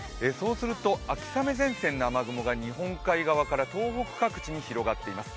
秋雨前線の雨雲が日本海側から東北各地に広がっています